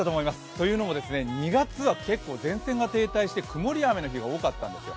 というのも２月は結構、前線が停滞して曇りや雨の日が多かったんですよ。